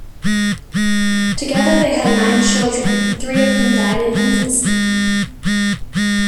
Together they had nine children, three of whom died in infancy.